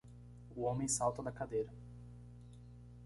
O homem salta da cadeira.